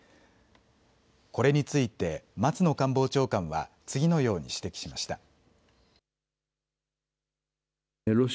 これについて松野官房長官は、次のように指摘しました。